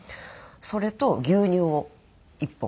それと牛乳を１本。